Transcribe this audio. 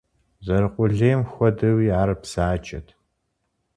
Зэрыкъулейм хуэдэуи ар бзаджэт.